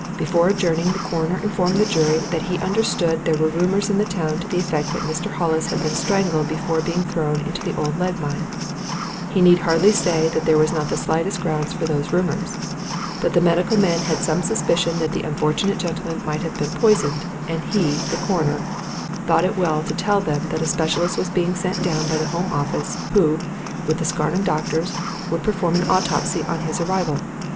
Before adjourning, the Coroner informed the jury that he understood there were rumours in the town to the effect that Mr. Hollis had been strangled before being thrown into the old lead mine. He need hardly say that there were not the slightest grounds for those rumours. But the medical men had some suspicion that the unfortunate gentleman might have been poisoned, and he, the Coroner, thought it well to tell them that a specialist was being sent down by the Home Office, who, with the Scarnham doctors, would perform an autopsy on his arrival.